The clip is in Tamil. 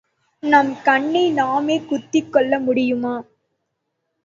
நம் கண்ணை நாமே குத்திக் கொள்ள முடியுமா?